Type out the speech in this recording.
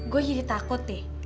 gue jadi takut deh